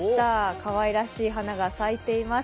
かわいらしい花が咲いています。